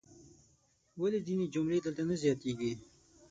ولې ځینې جملې دلته نه زیاتیږي؟